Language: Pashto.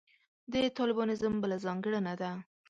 د طالبانیزم بله ځانګړنه ده.